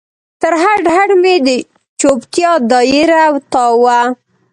تر هډ، هډ مې د چوپتیا دا یره تاو وه